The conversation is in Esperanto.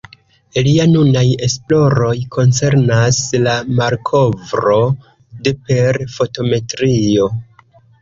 Lia nunaj esploroj koncernas la malkovro de per fotometrio.